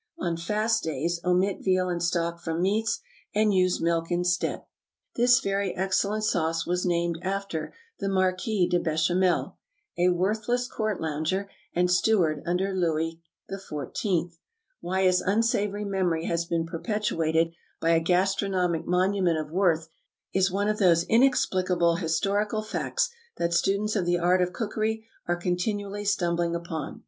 On fast days, omit veal and stock from meats, and use milk instead. [This very excellent sauce was named after the Marquis de Bechamel, a worthless court lounger and steward under Louis XIV. Why his unsavory memory has been perpetuated by a gastronomic monument of worth, is one of those inexplicable historical facts that students of the art of cookery are continually stumbling upon.